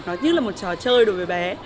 nhất là một trò chơi đối với bé